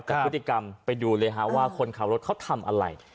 แต่พฤติกรรมไปดูเลยฮะว่าคนขับรถเขาทำอะไร